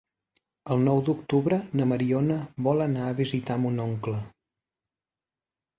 El nou d'octubre na Mariona vol anar a visitar mon oncle.